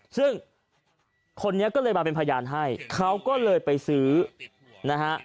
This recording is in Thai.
ซึ่งคนนี้ก็เลยมาเป็นพยานให้เขาก็เลยไปซื้อนะฮะ